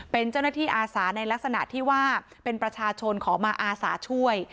เป็นเจ้าหน้าที่อาสาในลักษณะที่ว่าเป็นประชาชนขอมาอาสาช่วย